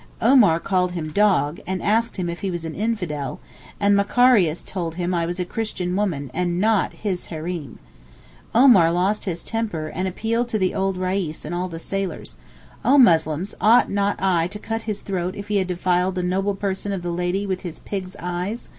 Omar called him 'dog,' and asked him if he was an infidel, and Macarius told him I was a Christian woman, and not his Hareem. Omar lost his temper, and appealed to the old reis and all the sailors, 'O Muslims, ought not I to cut his throat if he had defiled the noble person of the lady with his pig's eyes?